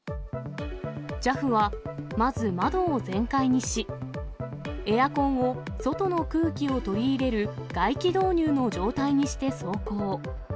ＪＡＦは、まず窓を全開にし、エアコンを外の空気を取り入れる外気導入の状態にして走行。